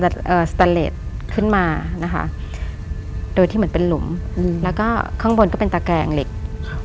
สแตนเลสขึ้นมานะคะโดยที่เหมือนเป็นหลุมแล้วก็ข้างบนก็เป็นตะแกงเหล็ก